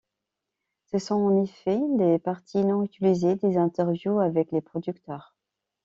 Ce sont en fait les parties non utilisées des interviews avec les producteurs.